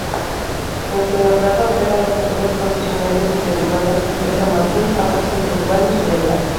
En Fuenlabrada operan las empresas concesionarias interurbanas Empresa Martín, Avanza Interurbanos, y De Blas.